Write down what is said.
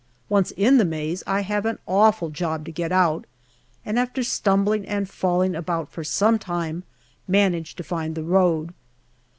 Once in the maze, I have an awful job to get out, and after stumbling and falling about for some time, manage to find the road.